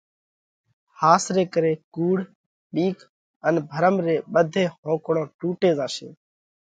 ۿاس ري ڪري ڪُوڙ، ٻِيڪ ان ڀرم ري ٻڌي ۿونڪۯون ٽُوٽي زاشي۔